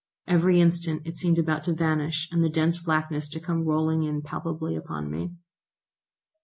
Every instant it seemed about to vanish and the dense blackness to come rolling in palpably upon me.